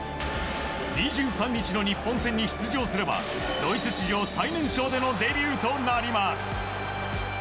２３日の日本戦に出場すればドイツ史上最年少のデビューとなります。